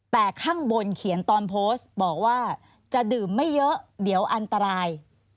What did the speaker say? แต่ข้างบนเขียนตอนโพสต์บอกว่าจะดื่มไม่เยอะเดี๋ยวอันตราย